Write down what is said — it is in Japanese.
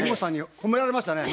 褒められましたよ。